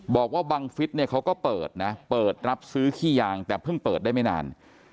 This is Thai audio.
บอกว่าบังฟิศเนี่ยเขาก็เปิดนะเปิดรับซื้อขี้ยางแต่เพิ่งเปิดได้ไม่นาน